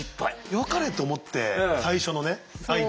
よかれと思って最初のねアイデア出した時は。